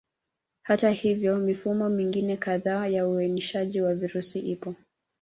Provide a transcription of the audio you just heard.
Hata hivyo, mifumo mingine kadhaa ya uainishaji wa virusi ipo.